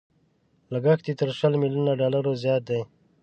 لګښت يې تر سل ميليونو ډالرو زيات دی.